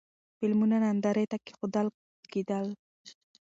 فلمونه نندارې ته کېښودل کېدل.